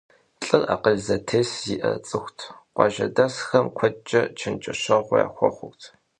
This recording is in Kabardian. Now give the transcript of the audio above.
ЛӀыр акъыл зэтес зиӀэ цӀыхут, къуажэдэсхэм куэдкӀэ чэнджэщэгъу яхуэхъурт.